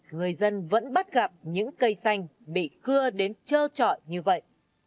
người dân vẫn bắt gặp những cây xanh bị cưa đến trơ trọi như vậy